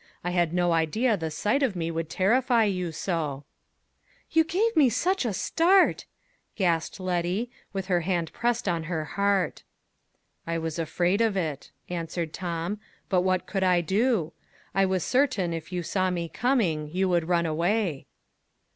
I had no idea the sight of me would terrify you so." "You gave me such a start!" gasped Letty, with her hand pressed on her heart. "I was afraid of it," answered Tom; "but what could I do? I was certain, if you saw me coming, you would run away."